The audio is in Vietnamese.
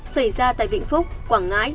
xảy ra tại vĩnh phúc quảng ngãi